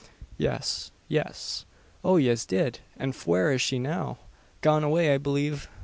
"Yes yes." "Oh! yez did. An fwhere is she now?" "Gone away, I believe."